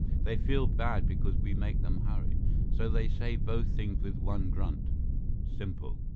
They feel bad because we make them hurry. So they say both things with one grunt. Simple."